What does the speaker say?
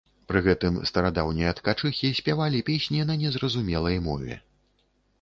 Пры гэтым старадаўнія ткачыхі спявалі песні на незразумелай мове.